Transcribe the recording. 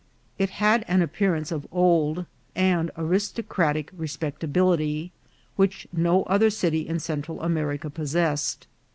It had an appearance of old and aristocratic respecta bility, which no other city in Central America possess ed.